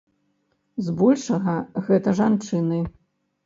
З большага гэта жанчыны!